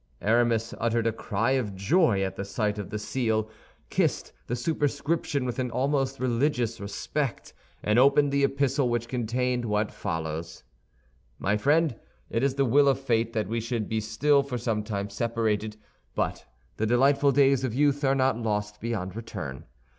Aramis uttered a cry of joy at the sight of the seal, kissed the superscription with an almost religious respect, and opened the epistle, which contained what follows: "My Friend, it is the will of fate that we should be still for some time separated; but the delightful days of youth are not lost beyond return.